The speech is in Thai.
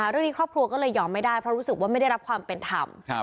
ครอบครัวก็เลยยอมไม่ได้เพราะรู้สึกว่าไม่ได้รับความเป็นธรรม